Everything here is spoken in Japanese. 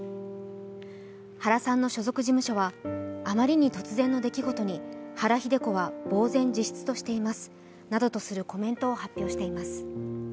原さんの所属事務所はあまりに突然の出来事に原日出子はぼう然自失としていますなどとするコメントを発表しています。